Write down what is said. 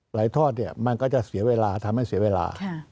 ทอดเนี่ยมันก็จะเสียเวลาทำให้เสียเวลา